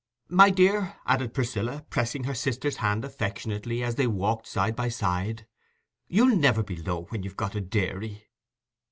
My dear," added Priscilla, pressing her sister's hand affectionately as they walked side by side, "you'll never be low when you've got a dairy."